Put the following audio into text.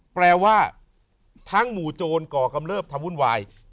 แปลว่าทั้งหมู่โจรก่อกำเริบทำวุ่นวาย